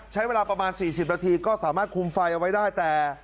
ใช้เวลาประมาณ๔๐นาทีก็สามารถคุมไฟเอาไว้ได้แต่